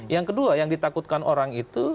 yang kedua yang ditakutkan orang itu